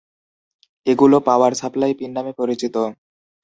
এগুলো power supply pin নামে পরিচিত।